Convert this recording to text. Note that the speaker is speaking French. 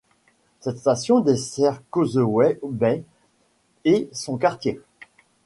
Cette station dessert Causeway Bay et son quartier.